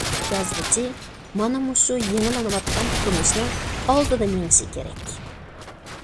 يازغۇچى مانا مۇشۇ يېڭىلىنىۋاتقان تۇرمۇشنىڭ ئالدىدا مېڭىشى كېرەك.